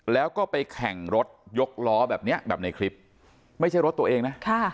แล้วก็ไปแข่งรถยกล้อแบบเนี้ยแบบในคลิปไม่ใช่รถตัวเองนะ